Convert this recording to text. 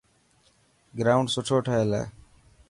گرائونڊ سٺو ٺهيل هي.